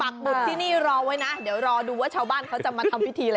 บุตรที่นี่รอไว้นะเดี๋ยวรอดูว่าชาวบ้านเขาจะมาทำพิธีอะไร